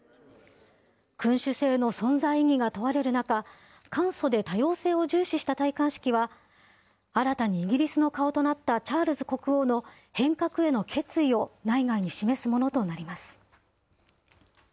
君主制の存在意義が問われる中、簡素で多様性を重視した戴冠式は、新たにイギリスの顔となったチャールズ国王の変革への決意を内外に示すものとなります。